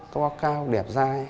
to cao đẹp dai